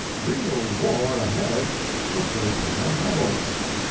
"REAL WAR AHEAD FOR FILIPINO REBELS!"